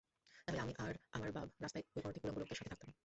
নাহলে আমি আর আমার বাব রাস্তায় ওই অর্ধ উলঙ্গ লোকেদের সাথে থাকতাম।